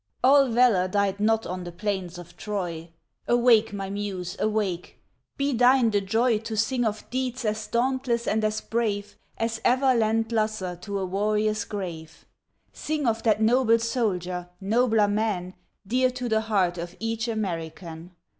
All valor died not on the plains of Troy. Awake, my Muse, awake! be thine the joy To sing of deeds as dauntless and as brave As e'er lent luster to a warrior's grave. Sing of that noble soldier, nobler man, Dear to the heart of each American.